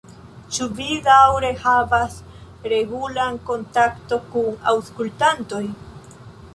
Ĉu vi daŭre havas regulan kontakton kun aŭskultantoj?